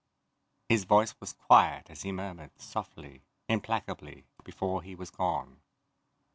His voice was quiet as he murmured, softly, implacably, before he was gone.